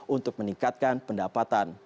untuk meningkatkan pendapatan